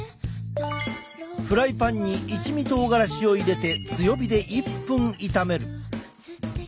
フライパンに一味とうがらしを入れて強火で１分炒める。